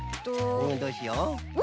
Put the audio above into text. うんどうしよう。